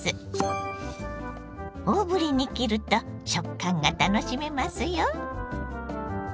大ぶりに切ると食感が楽しめますよ。